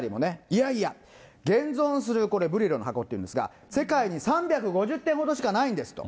いやいや、現存するこれ、ブリロの箱っていうんですけど、世界に３５０点ほどしかないんです。